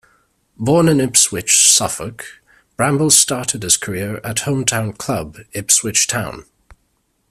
Born in Ipswich, Suffolk, Bramble started his career at home town club Ipswich Town.